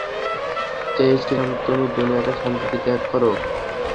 চেয়েছিলাম তুমি দুনিয়াটা শান্তিতে ত্যাগ করো।